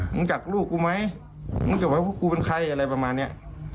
รู้จักลูกกูไหมมึงจะไหมว่ากูเป็นใครอะไรประมาณเนี้ย